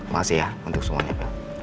makasih ya untuk semuanya pak